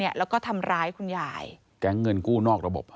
แล้วก็ทำร้ายคุณยายแก๊งเงินกู้นอกระบบ